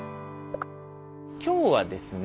今日はですね